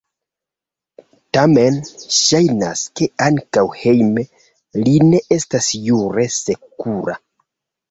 Tamen ŝajnas, ke ankaŭ hejme li ne estas jure sekura.